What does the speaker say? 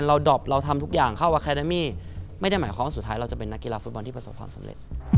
เราอยากไปเล่นบอล